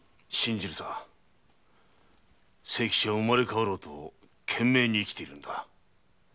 清吉は生まれ変わろうと懸命に生きているんだ。